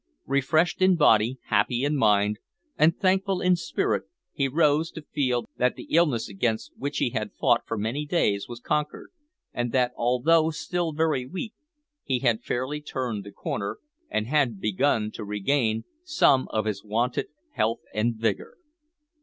Refreshed in body, happy in mind, and thankful in spirit he rose to feel that the illness against which he had fought for many days was conquered, and that, although still very weak, he had fairly turned the corner, and had begun to regain some of his wonted health and vigour.